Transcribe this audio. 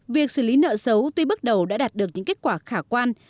việc xử lý nợ xấu tuy bước đầu đã đạt được những kết quả khả quan